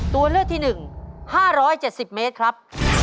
ตัวเลือกที่๑๕๗๐เมตรครับ